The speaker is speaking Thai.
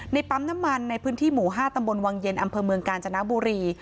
ในปั๊มน้ำมันในพื้นที่หมู่๕ตวเย็นอมการจนาบุรี